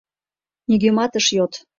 — Нигӧмат ыш йод.